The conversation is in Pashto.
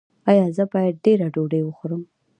ایا زه باید ډیره ډوډۍ وخورم؟